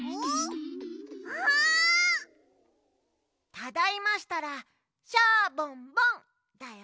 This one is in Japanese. ただいましたら「シャボンボン」だよ。